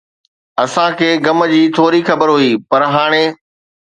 اسان کي غم جي ٿوري خبر هئي، پر هاڻي